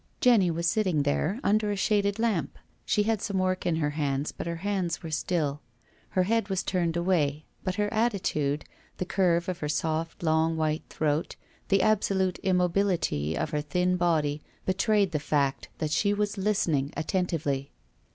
Jenny was sitting there, under a shaded lamp. She had some work in her hands but her hands were still, llcr head was turned away, but her attitude, the curve of her soft, long, white throat, the absolute immobility of her thin body betrayed the fact that she was listening attentively.